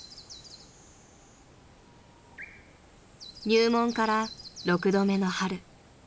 ［入門から６度目の春］